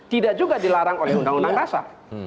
tidak juga dilarang oleh undang undang dasar